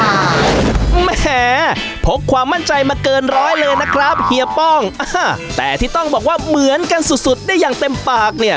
แหมพกความมั่นใจมาเกินร้อยเลยนะครับเฮียป้องอ่าแต่ที่ต้องบอกว่าเหมือนกันสุดสุดได้อย่างเต็มปากเนี่ย